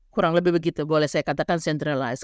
kurang lebih begitu boleh saya katakan centralize